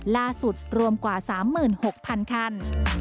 ล่าสุดรวมกว่า๓๖๐๐๐คัน